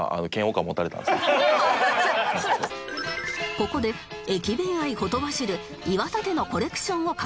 ここで駅弁愛ほとばしる岩立のコレクションを観測